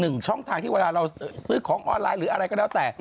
ช่องทางที่เวลาเราซื้อของออนไลน์หรืออะไรก็แล้วแต่